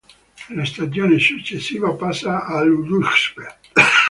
Nella stagione successiva passa all'Újpest.